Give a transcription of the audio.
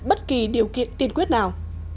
bất kỳ điều kiện tiên quyết nào